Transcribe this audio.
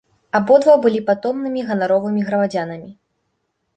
Абодва былі патомнымі ганаровымі грамадзянамі.